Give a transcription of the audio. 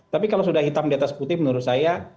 tapi kalau sudah hitam di atas putih menurut saya